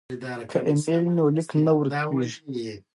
که ایمیل وي نو لیک نه ورک کیږي.